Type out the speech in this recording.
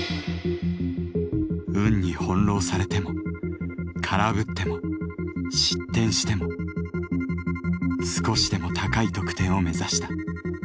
「運」に翻弄されても空振っても失点しても少しでも高い得点を目指した。